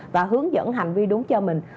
và hướng dẫn hành vi đúng cho mình